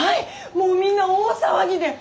もうみんな大騒ぎで！